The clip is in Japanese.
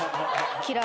嫌い。